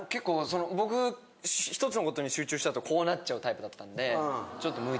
僕１つのことに集中しちゃうとこうなっちゃうタイプだったんで。